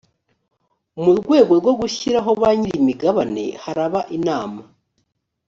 mu rwego rwo gushyiraho ba nyirimigabane haraba inama.